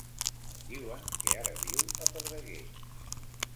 Diuen que ara viu a Pedreguer.